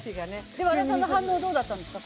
で和田さんの反応どうだったんですか？